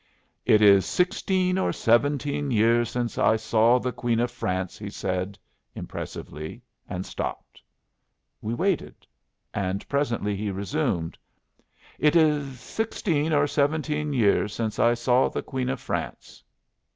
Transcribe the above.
"It is sixteen or seventeen years since I saw the Queen of France," he said, impressively, and stopped. We waited, and presently he resumed: "It is sixteen or seventeen years since I saw the Queen of France."